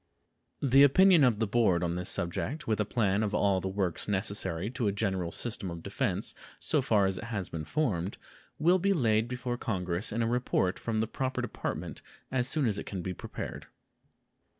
The opinion of the Board on this subject, with a plan of all the works necessary to a general system of defense so far as it has been formed, will be laid before Congress in a report from the proper department as soon as it can be prepared.